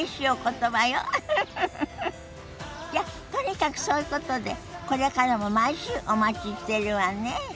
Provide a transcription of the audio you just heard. じゃあとにかくそういうことでこれからも毎週お待ちしてるわね。